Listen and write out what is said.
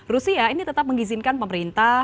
rusia ini tetap mengizinkan pemerintah